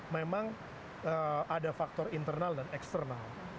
memang ada faktor internal dan eksternal